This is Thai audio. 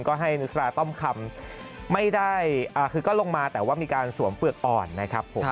ก็ให้นุษราต้อมคำไม่ได้คือก็ลงมาแต่ว่ามีการสวมเฝือกอ่อนนะครับผม